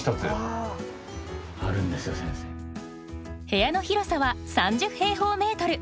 部屋の広さは３０平方メートル。